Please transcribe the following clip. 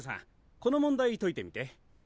この問題解いてみて。